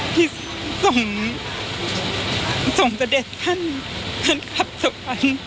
ที่ส่งสดเดชท่านครับสมภัณฑ์